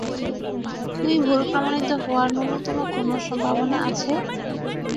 তুই ভুল প্রমাণিত হওয়ার ন্যুনতম কোনও সম্ভাবনা আছে?